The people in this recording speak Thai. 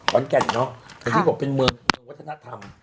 ขอนแก่นเนอะอย่างที่บอกเป็นเมืองวัฒนธรรม